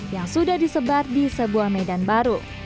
yang sudah disebar di sebuah medan baru